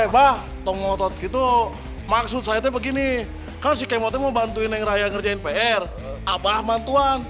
bahwa itu maksud saya begini kasih kemoti mau bantuin yang raya ngerjain pr abah mantuan